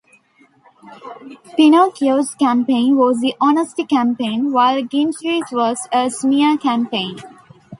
Pinocchio's campaign was the "honesty" campaign, while Gingy's was a "smear" campaign.